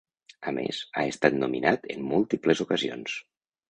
A més, ha estat nominat en múltiples ocasions.